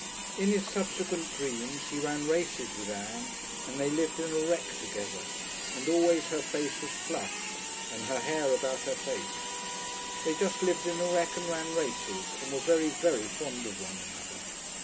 In his subsequent dreams he ran races with Ann, and they lived in a wreck together, and always her face was flushed and her hair about her face. They just lived in a wreck and ran races, and were very, very fond of one another.